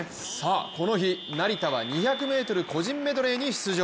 この日、成田は２００ｍ個人メドレーに出場。